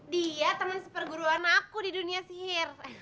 dia teman seperguruan aku di dunia sihir